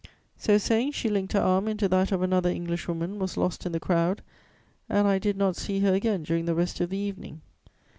"So saying, she linked her arm into that of another Englishwoman, was lost in the crowd, and I did not see her again during the rest of the evening.